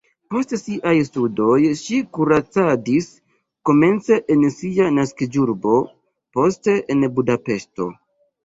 Post siaj studoj ŝi kuracadis komence en sia naskiĝurbo, poste en Budapeŝto.